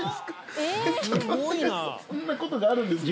そんなことがあるんですね。